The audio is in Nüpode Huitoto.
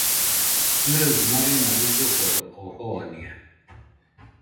Nɨ, marena uilloforo oo jonia